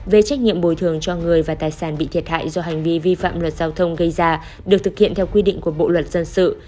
về trách nhiệm bồi thường cho người và tài sản bị thiệt hại do hành vi vi phạm luật giao thông gây ra được thực hiện theo quy định của bộ luật dân sự